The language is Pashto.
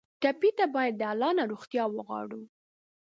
ټپي ته باید له الله نه روغتیا وغواړو.